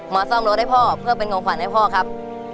ซ่อมรถให้พ่อเพื่อเป็นของขวัญให้พ่อครับ